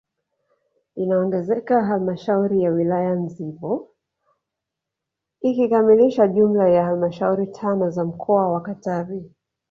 Inaongezeka halmashauri ya wilaya Nsimbo ikikamilisha jumla ya halmashauri tano za mkoa wa Katavi